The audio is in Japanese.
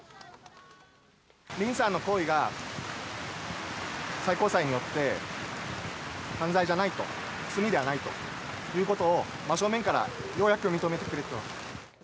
リンさんの行為が最高裁によって、犯罪じゃないと、罪ではないということを、真正面からようやく認めてくれたと。